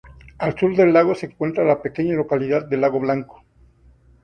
Al sur del lago se encuentra la pequeña localidad de Lago Blanco.